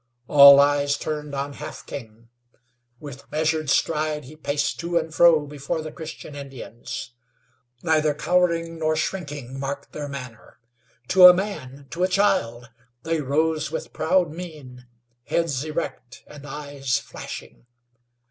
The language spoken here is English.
All eyes turned on Half King. With measured stride he paced to and fro before the Christian Indians. Neither cowering nor shrinking marked their manner; to a man, to a child, they rose with proud mien, heads erect and eyes flashing.